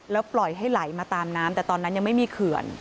แล้วปล่อยให้ไหลมาตามน้ำแต่ตอนนั้นยังไม่มีเขื่อน